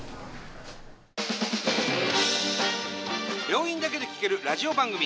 病院だけで聴けるラジオ番組。